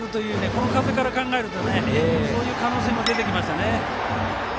この風から考えるとそういう可能性も出てきますね。